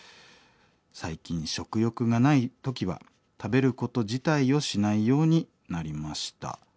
最近食欲がない時は食べること自体をしないようになりました。